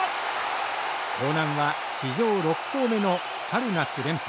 興南は史上６校目の春夏連覇。